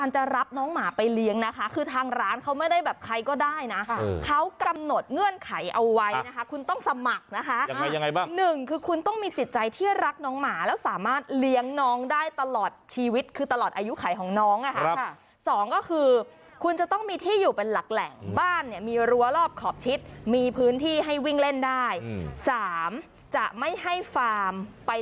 จะรับน้องหมาไปเลี้ยงนะคะคือทางร้านเขาไม่ได้แบบใครก็ได้นะเขากำหนดเงื่อนไขเอาไว้นะคะคุณต้องสมัครนะคะยังไงยังไงบ้างหนึ่งคือคุณต้องมีจิตใจที่รักน้องหมาแล้วสามารถเลี้ยงน้องได้ตลอดชีวิตคือตลอดอายุไขของน้องนะคะสองก็คือคุณจะต้องมีที่อยู่เป็นหลักแหล่งบ้านเนี่ยมีรั้วรอบขอบชิดมีพื้นที่ให้วิ่งเล่นได้สามจะไม่ให้ฟาร์มไป